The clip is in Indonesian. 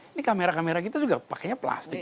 ini kamera kamera kita juga pakainya plastik